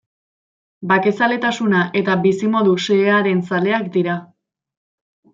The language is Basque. Bakezaletasuna eta bizimodu xehearen zaleak dira.